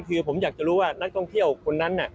คือผมอยากจะรู้ว่านักท่องเที่ยวคนนั้น